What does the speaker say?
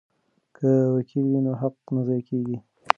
که وکیل وي نو حق نه ضایع کیږي.